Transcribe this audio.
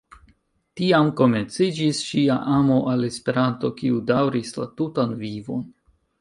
Tiam komenciĝis ŝia amo al Esperanto, kiu daŭris la tutan vivon.